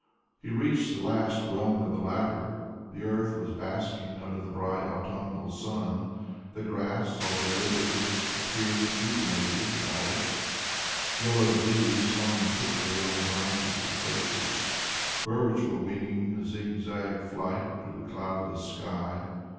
He reached the last rung of the ladder. The earth was basking under the bright autumnal sun. The grass, although withered, appeared rejuvenated by it; yellowed leaves hung thickly on the branches of the birches. Birds were winging a zigzag flight through the cloudless sky.